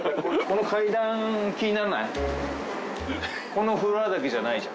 このフロアだけじゃないじゃん。